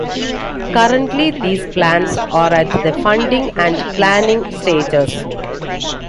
Currently these plans are at the funding and planning stages.